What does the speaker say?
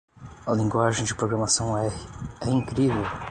A linguagem de programação R, é incrível!